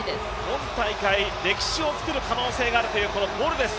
今大会、歴史を作る可能性があるというボルです。